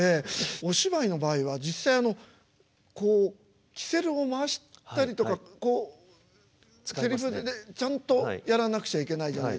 お芝居の場合は実際こうきせるを回したりとかこうちゃんとやらなくちゃいけないじゃないですか。